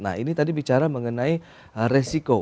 nah ini tadi bicara mengenai resiko